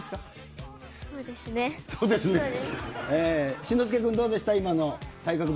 新之助君、どうでした？